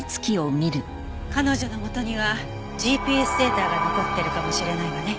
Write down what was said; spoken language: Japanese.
彼女のもとにはＧＰＳデータが残ってるかもしれないわね。